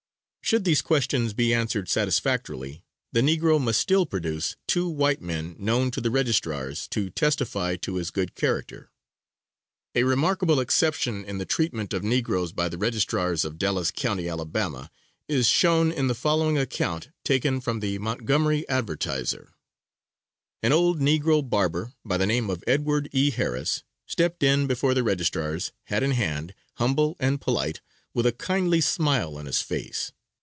Should these questions be answered satisfactorily, the negro must still produce two white men known to the registrars to testify to his good character. A remarkable exception in the treatment of negroes by the registrars of Dallas county, Alabama, is shown in the following account taken from the Montgomery Advertizer: "An old negro barber by the name of Edward E. Harris, stepped in before the registrars, hat in hand, humble and polite, with a kindly smile on his face.